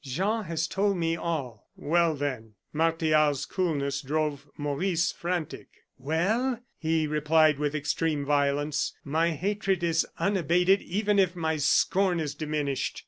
"Jean has told me all." "Well, then?" Martial's coolness drove Maurice frantic. "Well," he replied, with extreme violence, "my hatred is unabated even if my scorn is diminished.